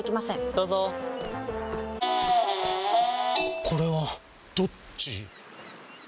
どうぞこれはどっち？